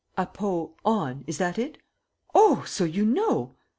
"'APO ON,' is that it?" "Oh, so you know!